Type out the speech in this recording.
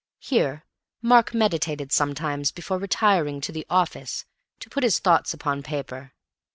Here Mark meditated sometimes before retiring to the "office" to put his thoughts upon paper.